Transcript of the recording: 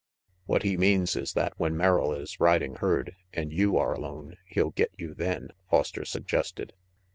"What he means is that when Merrill is riding herd, and you are alone, he'll get you then," Foster suggested.